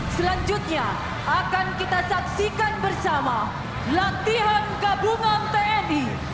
selanjutnya akan kita saksikan bersama latihan gabungan tni